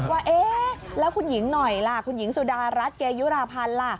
ว่าเอ๊ะแล้วคุณหญิงหน่อยล่ะคุณหญิงสุดารัฐเกยุราพันธ์ล่ะ